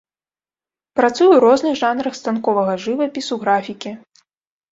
Працуе ў розных жанрах станковага жывапісу, графікі.